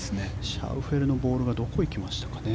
シャウフェレのボールがどこへ行きましたかね。